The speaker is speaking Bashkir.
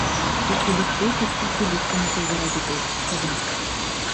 Изгелекте тик изгелек кенә тыуҙыра бит ул, ҡыҙым!